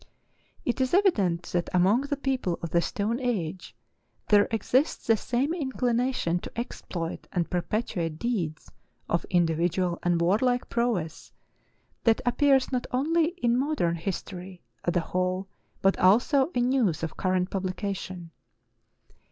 It is evident that among the people of the stone age there exists the same inclination to exploit and perpetuate deeds of individual and warlike prowess, that appears not only in modern history as a whole but also in news of current publication.